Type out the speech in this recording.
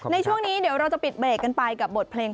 ในช่วงนี้เดี๋ยวเราจะปิดเบรกกันไปกับบทเพลง